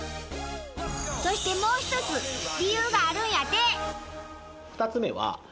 そしてもう一つ理由があるんやて！